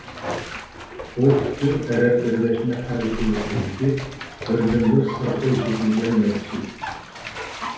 ئۇ پۈتۈن ئەرەب بىرلەشمە خەلىپىلىكىدىكى بىردىنبىر سىرتقا ئېچىۋېتىلگەن مەسچىت.